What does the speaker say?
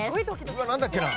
うわっなんだっけな？